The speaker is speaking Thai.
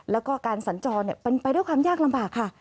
แล้วก็การสัญจรเป็นไปด้วยความยากลำบากค่ะ